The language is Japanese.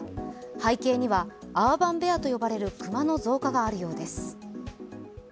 背景にはアーバンベアと呼ばれる熊の増加があるようです。